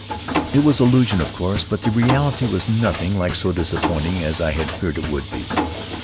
It was illusion, of course, but the reality was nothing like so disappointing as I had feared it would be.